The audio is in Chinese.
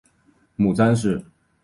母詹氏。